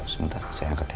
sebentar saya angkat ya